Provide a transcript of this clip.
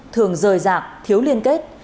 thường rời rạc thiếu liên kết